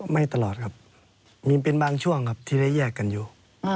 ไม่ตลอดครับมีเป็นบางช่วงครับที่ได้แยกกันอยู่